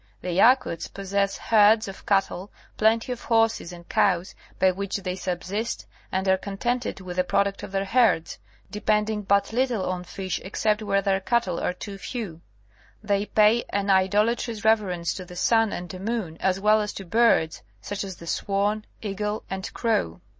The Yakuts possess herds of cattle, plenty of horses and cows by which they subsist, and are contented with the product of their herds, depending but little on fish except where their cattle are too few. They pay an idolatrous reverence to the sun and moon as well as to birds, such as the swan, eagle and crow.